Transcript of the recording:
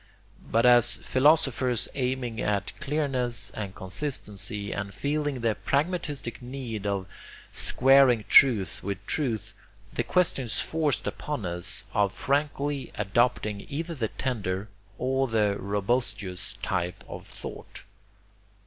But as philosophers aiming at clearness and consistency, and feeling the pragmatistic need of squaring truth with truth, the question is forced upon us of frankly adopting either the tender or the robustious type of thought.